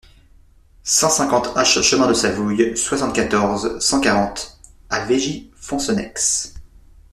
cent cinquante H chemin de Savouille, soixante-quatorze, cent quarante à Veigy-Foncenex